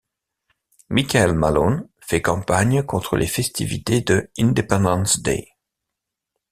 Michael Malone fait campagne contre les festivités de Independance Day.